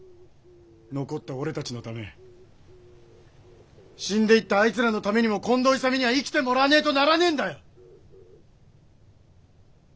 残った俺たちのため死んでいったあいつらのためにも近藤勇には生きてもらわねえとならねえんだよ！